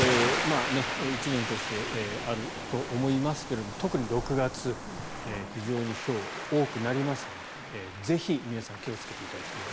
１年通してあると思いますが、特に６月非常にひょうが多くなりますのでぜひ、皆さん気をつけていただきたい。